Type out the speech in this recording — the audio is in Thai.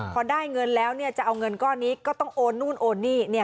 พอได้เงินแล้วจะเอาเงินก้อนนี้ก็ต้องโอนนู่นโอนหนี้